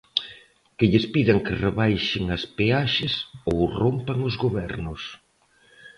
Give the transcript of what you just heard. Que lles pidan que rebaixen as peaxes ou rompan os gobernos.